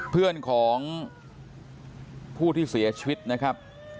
เพื่อนของผู้ที่เสียชีวิตนะครับ